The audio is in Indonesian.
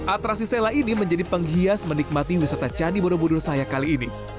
atraksi sela ini menjadi penghias menikmati wisata cani bodo bodo saya kali ini